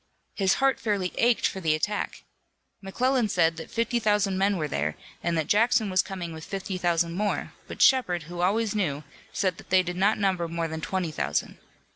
His heart fairly ached for the attack. McClellan said that fifty thousand men were there, and that Jackson was coming with fifty thousand more, but Shepard, who always knew, said that they did not number more than twenty thousand.